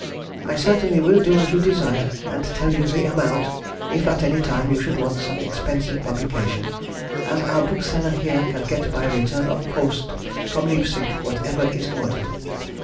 I certainly will do as you desire, and tell you the amount, if at any time you should want some expensive publication, as our bookseller here can get by return of post from Leipsic whatever is ordered.